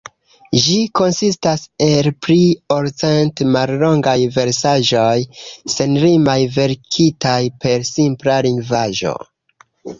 Ĝi konsistas el pli ol cent mallongaj versaĵoj, senrimaj, verkitaj per simpla lingvaĵo.